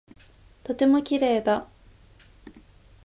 とても綺麗だ。